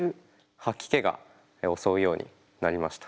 吐き気が襲うようになりました。